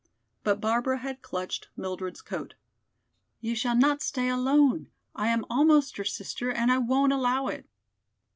But Barbara had clutched Mildred's coat. "You shall not stay alone. I am almost your sister and I won't allow it."